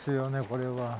これは。